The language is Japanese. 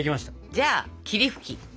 じゃあ霧吹き。